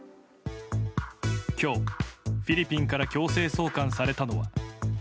今日、フィリピンから強制送還されたのは。